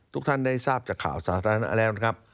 ทุกท่านได้ทราบจากข่าวสาธารณะแล้วนะครับ